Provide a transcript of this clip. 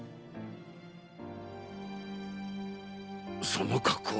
その格好。